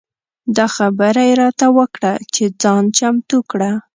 دا خبره یې راته وکړه چې ځان چمتو کړه.